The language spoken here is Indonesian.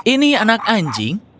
ini anak anjing